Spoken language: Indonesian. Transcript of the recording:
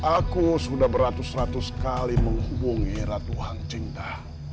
aku sudah beratus ratus kali menghubungi ratu hang cinda